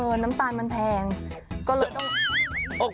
น้ำตาลมันแพงก็เลยต้องอก